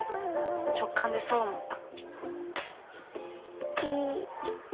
直感でそう思ったピ。